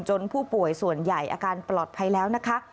ผู้ป่วยส่วนใหญ่อาการปลอดภัยแล้วนะคะ